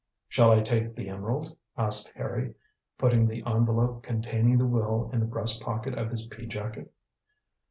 "Shall I take the emerald?" asked Harry, putting the envelope containing the will in the breast pocket of his pea jacket.